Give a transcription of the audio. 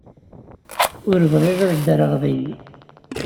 Ur bɣiɣ ad ddreɣ din.